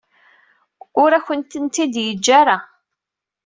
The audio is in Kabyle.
Ur akent-tent-id-yeǧǧa ara.